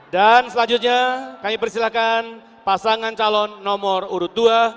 dan selanjutnya kami persilahkan pasangan calon nomor urut dua